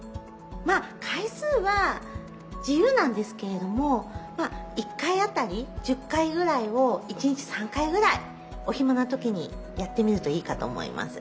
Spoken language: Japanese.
まあ回数は自由なんですけれども１回あたり１０回ぐらいを１日３回ぐらいお暇な時にやってみるといいかと思います。